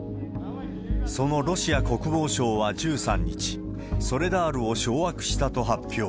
そのロシア国防省は１３日、ソレダールを掌握したと発表。